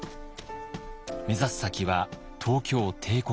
目指す先は東京帝国大学。